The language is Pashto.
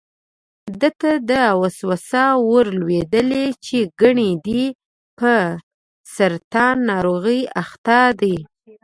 ده ته دا وسوسه ور لوېدلې چې ګني دی په سرطان ناروغۍ اخته دی.